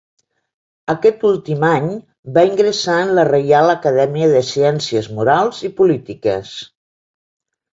Aquest últim any va ingressar en la Reial Acadèmia de Ciències Morals i Polítiques.